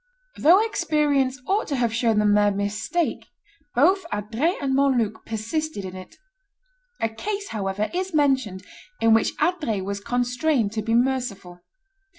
Though experience ought to have shown them their mistake, both Adrets and Montluc persisted in it. A case, however, is mentioned in which Adrets was constrained to be merciful.